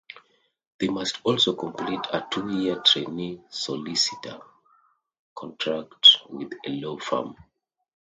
They must also complete a two-year trainee solicitor contract with a law firm.